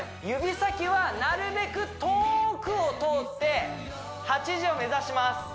指先はなるべく遠くを通って８時を目指します